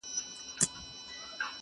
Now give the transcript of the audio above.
توري سترګي غړوې چي چي خوني نه سي.